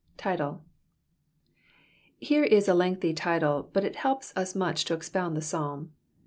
Title. — Eere is a lengthy title, hut U helps us much to expound the Psalm.